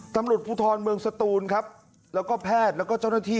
ตำรวจภูทรเมืองสตูนครับแล้วก็แพทย์แล้วก็เจ้าหน้าที่